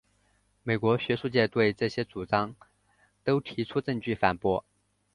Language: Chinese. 美国学术界对这些主张都提出证据反驳。